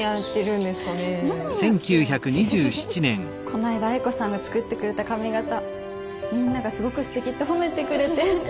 こないだ愛子さんが作ってくれた髪形みんながすごくステキって褒めてくれて。